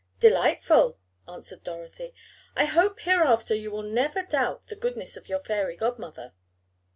"Delightful," answered Dorothy. "I hope hereafter you will never doubt the goodness of your fairy godmother."